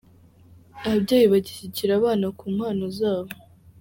Ababyeyi bashyigikira abana mu mpano zabo.